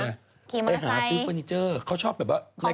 ไปหาซื้อเฟอร์นิเจอร์เขาชอบแบบว่า